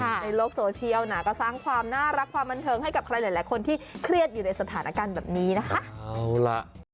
ในโลกโซเชียลนะก็สร้างความน่ารักความบันเทิงให้กับใครหลายคนที่เครียดอยู่ในสถานการณ์แบบนี้นะคะเอาล่ะ